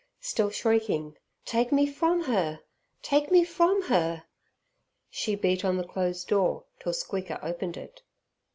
Still shrieking "Take me from her, take me from her", she beat on the closed door till Squeaker opened it.